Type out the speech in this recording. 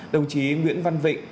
đồng chí nguyễn văn vịnh